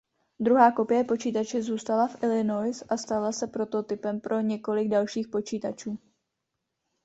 Druhá kopie počítače zůstala v Illinois a stala se prototypem pro několik dalších počítačů.